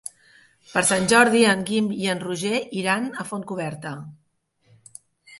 Per Sant Jordi en Guim i en Roger iran a Fontcoberta.